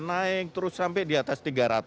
naik terus sampai di atas tiga ratus